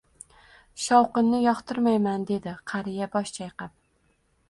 Shovqinni yoqtirmayman, dedi qariya bosh chayqab